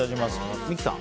三木さん